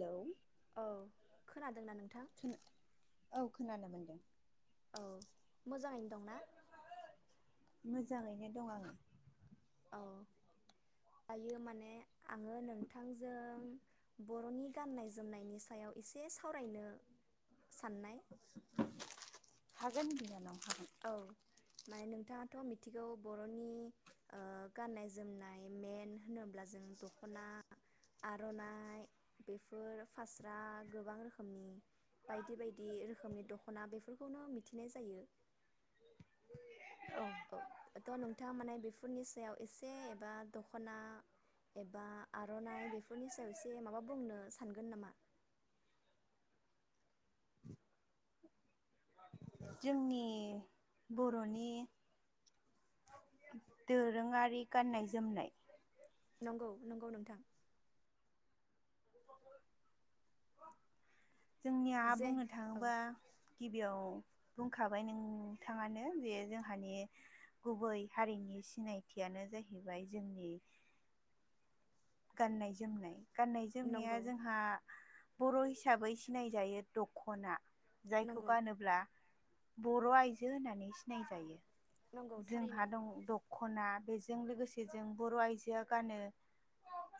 लौ औ खोनादोंना नोंथां औ खोनानो मोन [inaudible] औ मोजाङैनो दंना? मोजाङैनो दं आङो औ दायो माने आङो नोंथांजों बरनि गाननाय जोमनायनि सायाव एसे सावरायनो साननाय हागोन बिनानाव हागोन औ माने नोंथाङाथ मिथिगौ बरनि ओ गाननाय जोमनाय मेन होनोब्ला जों दखना आरनाइ बेफोर फास्रा गोबां रोखोमनि बायदि बायदि रोखोमनि दखना बेफोर खौनो मिथिनाय जायो [inaudible] औ थ' नोंथाङा माने बेफोरनि सायाव एसे एबा दखना एबा आरनाइ बेफोरनि सायाव एसे माबा बुंनो सानगोन नामा जोंनि बर'नि दोरोङारि गाननाय जोमनाय नंगौ नंगौ नोंथां जोंनिया जे बुंनो औ थाङोबा गिबियाव बुंखाबाय नोंथाङानो जे जोंहानि गुबै हारिनि सिनायथियानो जाहैबाय जोंनि गाननाय जोमनाय गाननाय जोमनाया नंगौ जोंहा बर हिसाबै सिनायजायो दखना जायखौ नंगौ गानोब्ला बर आइजो होननानै सिनायजायो नंगौ थारैनो जोंहा दं द'खना बेजों लोगोसे जों बर' आइजोआ गानो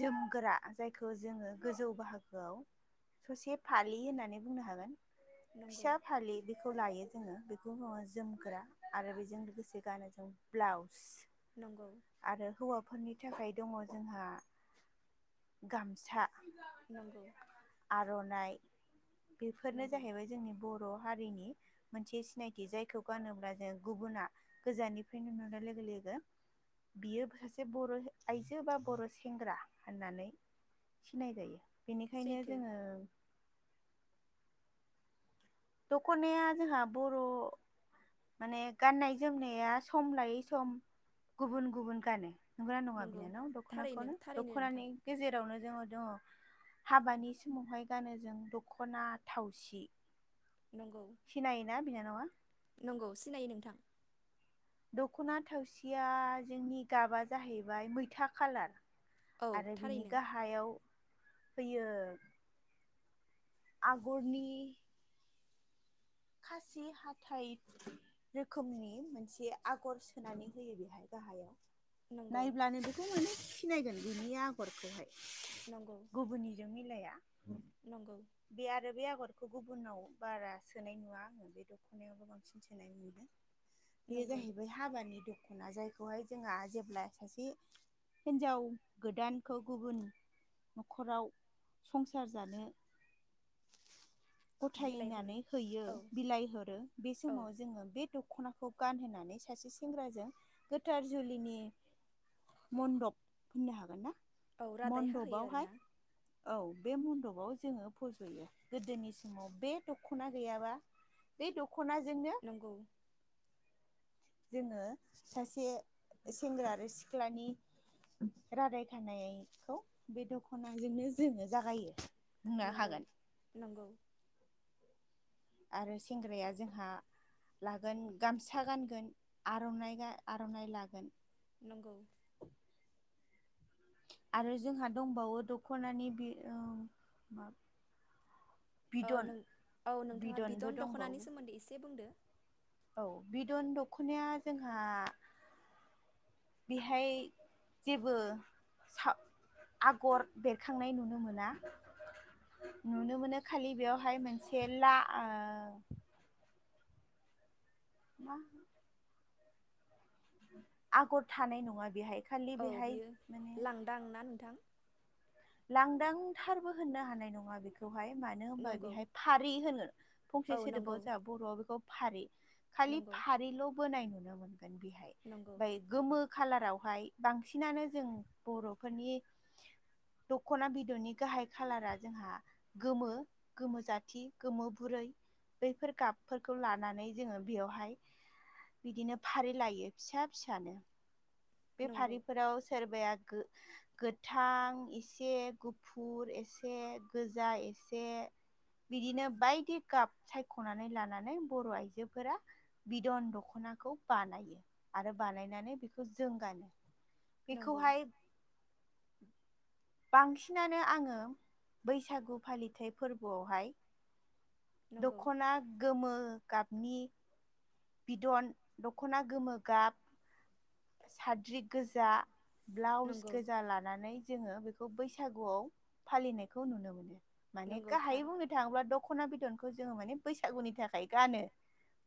जोमग्रा जायखौ जोङो गोजौ बाहागोआव ससे फालि होननानै बुंनो हागोन नंगौ फिसा फालि बेखौ लायो जोङो बेखौ ओ जोमग्रा आरो बेजों लोगोसे गानो जों ब्लाउस। नंगौ आरो हौवा फोरनि थाखाय दंङ' जोंहा गामसा नंगौ। आरनाइ बेफोरनो नंगौ जाहैबाय जोंनि बर' हारिनि मोनसे सिनायथि जायखौ गानोब्ला जों गुबुना गोजाननिफ्राय नुनाय लोगो लोगो बियो सासे बर' आइजो बा बर' सेंग्रा होननानै सिनाय जायो। बेनिखायनो सैथो जोङो दख'नाया जोंहा बर' माने गाननाय जोमनाया सम लायै सम गुबुन गुबुन गानो नंगौ ना नङा नंगौ बिनानाव थारैनो दख'नाखौनो थारैनो नोंथां दख'नानि गेजेरावनो जोङो दङ हाबानि समावहाय गानो जों दख'ना थावसि नंगौ सिनायोना बिनानावा नंगौ सिनायो नोंथां। दख'ना थावसिया जोंनि गाबा जाहैबाय मैथा खालार औ आरो बिनि थारैनो गाहायाव फैयो आगरनि खासि हाथाइ रोखोमनि मोनसे आगर सोनानै होयो बेहाय गाहायाव नंगौ नायब्लानो बेखौ मोनो। सिनायगोन बिनि आगरखौहाय? नंगौ गुबुननिजों मिलाया नंगौ बिया आरो बे आगर बेखौ गुबुनाव बारा सोनाय नुवा आङो बे दख'नायावबो बांसिन सोनाय मोनो बेयो नंगौ जाहैबाय हाबानि द' दख'ना जायखौहाय जोंहा जेब्ला सासे हिनजाव गोदानखौ गुबुन न'खराव संसार जानो बिलाइ हरो गथायनानै औ बिलाइहरो बे औ समाव जोंङो बे द'खनाखौ खौ गानहोनानै सासे सेंग्राजों गोथार जुलिनि मन्दप होननो हागोन ना? औ रादाय हाहोयो मणन्दपावहाय आरोना औ बे म्न्दप खौ जोङो फज'यो गोदोनि समाव बे द'ख दखना गैयाबा बे दख। खनाजोंनो। नंगौ जोङो सासे सेंग्रा आरो सिख्लानि रादाय खानायखौ बे दखनाजोंनो जोङो जागायो। बुंनो नंगौ हागोन नंगौ। आरो सेंग्राया जोंहा लागोन गामसा गानगोन आर'नाइ आर'नाइ लागोन। नंगौ। आरो जोंहा दंबावो दख'नानि बि ओ मा। ओ बिदन नों औ नोंथाङा बिदनबो बिदन दंबावो दख'नानि सोमोन्दै एसे बुंदो। औ बिदन दख'नाया जोंहा बेहाय जेबो सा आगर बेरखांनाय नुनो मोना नुनो मोनो खालि बेयावहाय मोनसे ला। मा। आगर थानाय नङा बेहाय खालि औ बेहाय बियो माने लांदां ना नोंथां। लांदांथारबो होननो हानाय नङा बेखौ बेवहाय मानो होनबा नंगौ बेहाय फारि होनो फंसे औ सोदोबाव नंगौ जोंहा बर'आव बेखौ फारि खालि नंगौ फारिल' बोनाय नु ना मोन बेहाय नंगौ ओमफाय गोमो खाालाराव फाय बांसिनानो जों बर'फोरनि दख'ना बिदननि गाहाय खालारा जोंहा गोमो गोमो जाथि गोमो बुरै बैफोर गाबफोरखौ लानानै जोङो बेयावहाय बिदिनो फारि लायो फिसा फिसानो। बेफारिफोराव सोरबाया गो गोथां एसे गुफुर एसे गोजा एसे बिदिनो बायदि गाब सायख'नानै लानानै बर' आइजोफोरा बिदन दख'नाखौ बानायो आरो बानायनानै बेखौ जों गानो। नंगौ नंगौ बेखौहाय बांसिनानो आङो बैसागु फालिथाय फोरबोआवहाय नंगौ दखना गोमो गाबनि बिदन दख'ना गोमो गाब साद्रि गोजा ब्लाउस नंगौ गोजा लानानै जोङो बेखौ बैसागुआव फालिनायखौ नुनो मोनो। माने नंगौ गाहायै थार बुंनो थाङोब्ला दख'ना बिदन खो जोङो माने बैसागुनि थाखाय गानो।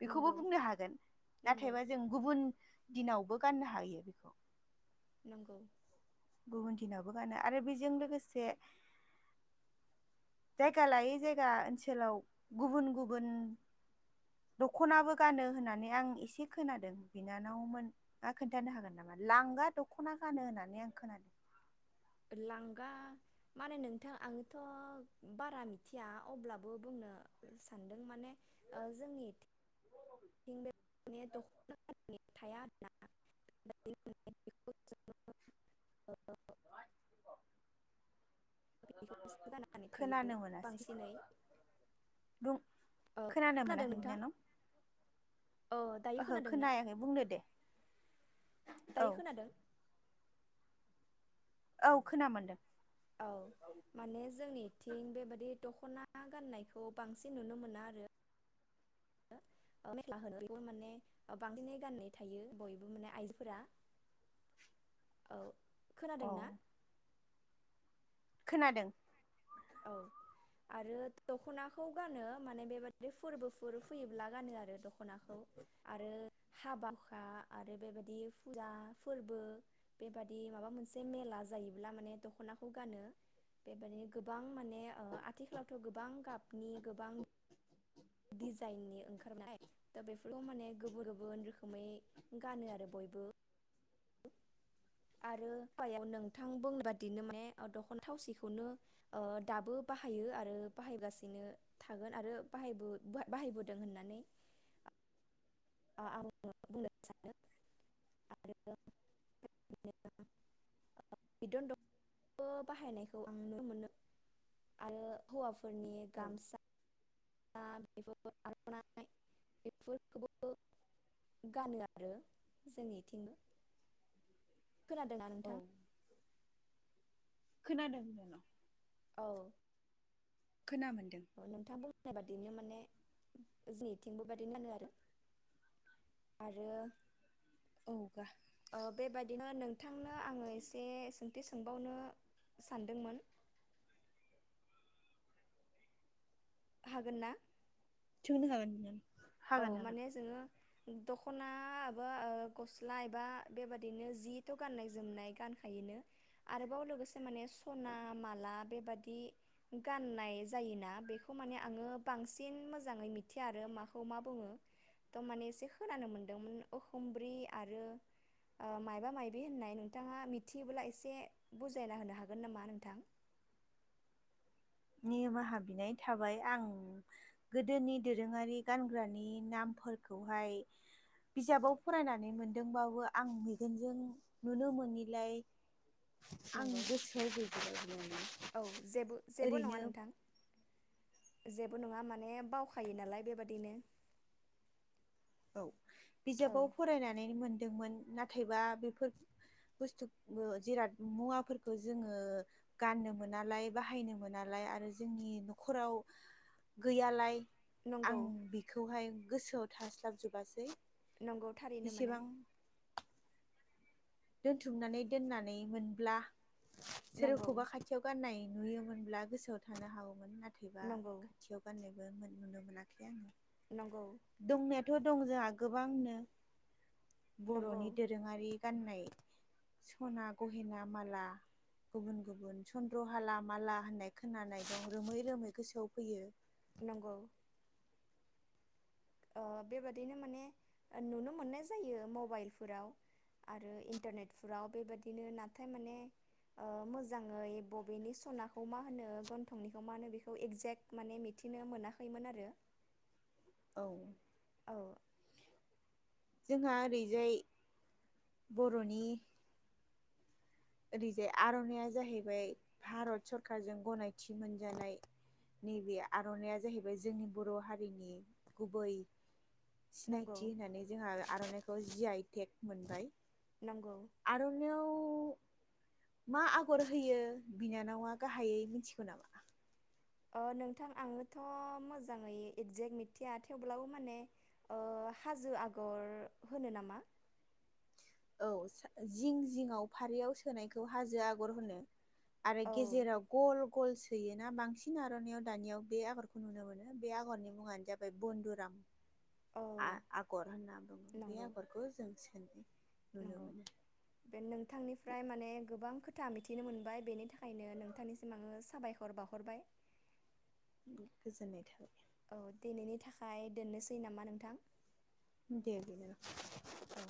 बेखौबो नंगौ बुंनो हागोन नंगौ नाथायबा जों गुबुन दिनावबो गान्नो हायो बेखौ नंगौ। गुबुन दिनावबो गानो आरो बेजों लोगोसे जायगा लायै जायगा ओनसोलाव गुबुन गुबुन दख'नाबो गानो होननानै आं एसे खोनादों बिनानावमोना खोन्थानो हागोन नामा लांगा दख'ना गानो होननानै आं खोनादो लांगा माने नोंथां आङोथ' बारा मिथिया अब्लाबो बुंनो सानदों माने ओ जोंनि इथिं [unintelligible] बे दख'ना होन्नानै थाया आरोना [unintelligible] बेखौसो गाननानै थायो खोनानो मोनासै बांसिनै बुं ओ खोनानो खोनादों मोनाखै नोंथां बिनानाव औ दायो ओहो खोनादों ना खोनायाखै बुंदो दे औ। दायो खोनादों औ खोना मोनदों। औ माने जोंनि इथिं बेबादि दख'ना गाननायखौ बांसिन नुनो मोना आरो मेख्ला होनो बेखौ माने बांसिनै गाननाय थायो बयबो माने आइजोफोरा औ। खोनादों औ ना? खोनादों। औ आरो दख'नाखौ गानो माने बेबादि फोरबोफोर फैयोब्ला गानो आरो दख'नाखौ आरो हाबा हुखा आरो बेबायदि फुजा फोरबो बेबादि माबा मोनसे मेला जायोब्ला माने दख'नाखौ गानो बेबायदिनो गोबां माने ओ आथिखालावथ' गोबां गाबनि गोबां डिजाइननि ओंखारबाय दा बेफोरखौ माने गुबुन गुबुन रोखोमै गानो आरो बयबो। आरो हाबायाव नोंथां बुंनाय बादिनो माने दख'ना थावसिखौनो ओ दाबो बाहायो आरो बाहायगासिनो थागोन आरो बाहाय बाहायबोदों होननानै ओ आं बुंनो सानो आरो [unintelligible] बिदिनो बिदन दख'ना बाहायनायखौ आं नुनो मोनो आरो हौवाफोरनि औ गामसा ना बे आर'नाइ बेफोरखौबो गानो आरो जोंनिथिंबो। खोनादोंना औ नोंथां? खोनादों बिनानाव। औ। खोना मोनदों। नाय बादिनो माने जोंनिथिं बेबायदिनो गानो आरो औ गा बादिनो नोंथांनो आङो एसे सोंथि सोंबावनो सानदोंमोन। हागोन ना? सोंनो हागोन [unintelligible] औ हागोन हागोन माने जोङो दख'ना बा ओ गस्ला एबा बेबादिनो जिथ' गाननाय जोमनाय गानखायोनो आरोबाव लोगोसे माने सना माला बेबादि गाननाय जायोना बेखौ माने आङो बांसिन मोजाङै मिथिया आरो मा खौ मा बुङो थ' माने एसे खोनानो मोन्दोंमोन उखुमब्रि आरो ओ मायबा मायबि होननाय नोंथाङा मिथियोब्ला एसे बुजायना होनो हागोन नामा नोंथां? निमाहा बिनाय थाबाय आं गोदोनि दोरोङारि गानग्रानि नामफोरखौहाय बिजाबाव फरायनानै मोनदोंबाबो आं मेगनजों नुनो मोनिलाय आं नंगौ गोसो गोसोयाव औ जेबो गैजोबा जेबो नङा नोंथां बिनानाव। ओरैनो जेबो नङा माने बावखायो नालाय बेबादिनो औ औ बिजाबाव फरायनानै मोन दोंमोन नाथायबा बेफोर बुस्थु जिराद मुवाफोरखौ जोङो गाननो मोनालाय बाहायनो मोनालाय आरो जोंनि न'खराव गैयालाय आं नंगौ बेखौहाय गोसोआव [unintelligible] थाजोबासै नंगौ थारैनो माने दोनथुमनानै दोननानै मोनब्ला नंगौ सोरखौबा खाथियाव गाननाय नुयोमोनब्ला गोसोआव थानो हागौन नाथाय थायबा नंगौ खाथियाव गाननाय मोन नुनो मोनाखै आङो नंगौ थ' दं जोंहा गोबांनो नंगौ बर'नि दोरोङारि गाननाय सना गहेना माला गुबुन गुबुन चन्द्र हाला माला होननाय खोनानाय दं रोमै रोमै गोसोआव फैयो। नंगौ ओ बेबादिनो माने नुनो मोननाय जायो मबाइलफोराव आरो इन्टारनेटफोराव बेबादिनो नाथाय माने ओ मोजाङै बबेनि सनाखौ मा होनो गन्थंनिखौ मा होनो बेखौ एगजेक्ट माने मिथिनो मोनाखैमोन आरो औ औ जोंहा ओरैजाय बर'नि ओरैजाय आर'नाइया जाहैबाय भारत सरकारजों गनायथि मोनजानाय नैबे आर'नाइया जाहैबाय जोंनि बर' हारिनि गुबै नंगौ सिनायथि होननानै जोंहा आर'नाइ बेखौ जि आइ टेक मोनबाय। नंगौ आर'नायाव मा आगर होयो बिनानावा गाहायै मिथिगौ नामा? नोंथां आङोथ' मोजाङै एक्जेक्ट मिथिया थेवब्लाबो माने ओ हाजो आगर होनो नामा? औ जिं जिङआव फारियाव सोनायखौ हाजो आगर होनो। आरो औ गेजेराव गल गल सोयोना बांसिन आर'नानायइाव दानियाव बे आगरखौ नुनो मोनो बे आगरनि मुङानो जाबाय बन्द औ आं आगर बे नंगौ आगरखौ जों [inaudible] नुनो नंगौ मोनो बे नोंथांनिफ्राय माने गोबां खोथ खुथा मिथिनो मोनबाय बेनि थाखायनो नोंथांनिसिम आङो साबायखर बाहरबाय। गोजोननाय थाबाय औ दिनैनि थाखाय दोननोसै नामा नोंथां? दे [inaudible] औ